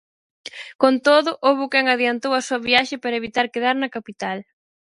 Con todo, houbo quen adiantou a súa viaxe para evitar quedar na capital.